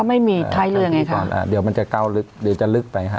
ก็ไม่มีท้ายเรือไงครับเดี๋ยวมันจะก้าวลึกจะลึกไปครับ